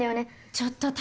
ちょっと匠！